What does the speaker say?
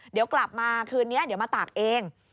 เดี๋ยวกลับมาคืนนี้เดี๋ยวมาตากเอง